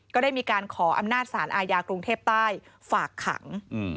ก็ได้มีการขออำนาจสารอาญากรุงเทพใต้ฝากขัง